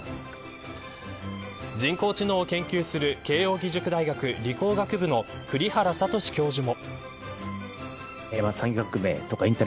人工知能を研究する慶応義塾大学理工学部の栗原聡教授も。